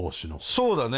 そうだね。